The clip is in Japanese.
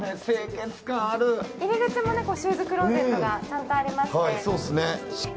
入り口もシューズクローゼットがちゃんとあって。